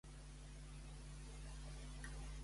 Què va impedir que aquest matés a Creusa?